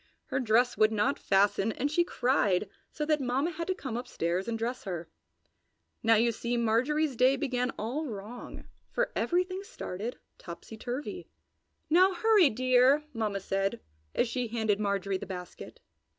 Her dress would not fasten and she cried, so that Mamma had to come upstairs and dress her. So you see Marjorie's day began all wrong, for everything started topsy turvy. "Now hurry, dear!" Mamma said as she handed Marjorie the basket.